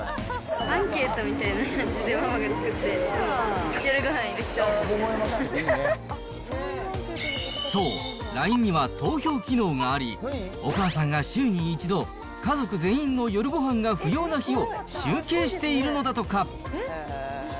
アンケートみたいのをママが作って、そう、ＬＩＮＥには投票機能があり、お母さんが週に１度、家族全員の夜ごはんが不要な日を集計しているのだとか。